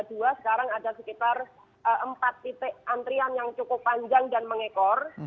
sekarang ada sekitar empat titik antrian yang cukup panjang dan mengekor